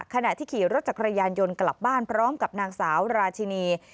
ขณะที่ขี่รถจักรยานยนต์กลับบ้านพร้อมกับนางสาวราชินี